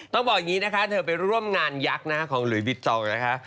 ต้องบอกอย่างนี้นะคะเธอไปร่วมงานยักษ์ของหลุยบิจองนะคะ